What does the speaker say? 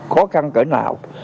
khó khăn cỡ nào